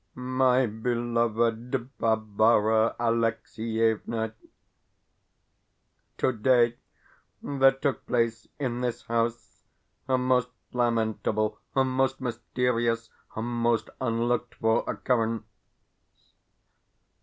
MY BELOVED BARBARA ALEXIEVNA, Today there took place in this house a most lamentable, a most mysterious, a most unlooked for occurrence.